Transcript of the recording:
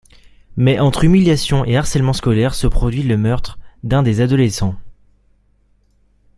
Mais entre humiliation et harcèlement scolaire se produit le meurtre d'un des adolescents.